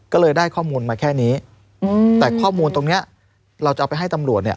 ก็เลยได้ข้อมูลมาแค่นี้แต่ข้อมูลตรงเนี้ยเราจะเอาไปให้ตำรวจเนี่ย